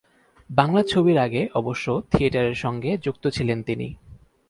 বাংলা ছবির আগে অবশ্য থিয়েটারের সঙ্গে যুক্ত ছিলেন তিনি।